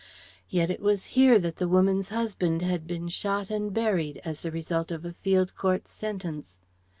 Yet it was here that the woman's husband had been shot and buried, as the result of a field court's sentence.